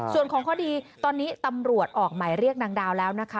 ส่วนของคดีตอนนี้ตำรวจออกหมายเรียกนางดาวแล้วนะคะ